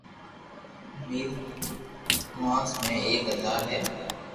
مير ئوخاس مي ايڪ بزار هي